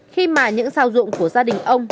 khi mà những sao dụng của gia đình ông